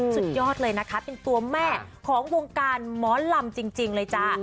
สุดยอดเลยนะคะเป็นตัวแม่ของวงการหมอลำจริงเลยจ้า